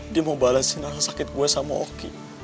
dia mau balesin rasa sakit gue sama oki